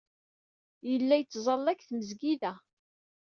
Yella yettẓalla deg tmesgida.